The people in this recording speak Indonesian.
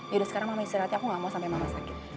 yaudah sekarang mama istirahatnya aku gak mau sampai mama sakit